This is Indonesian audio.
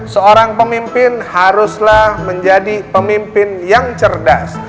seorang pemimpin haruslah menjadi pemimpin yang cerdas